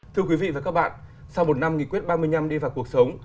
thưa quý vị và các bạn sau một năm nghị quyết ba mươi năm đi vào cuộc sống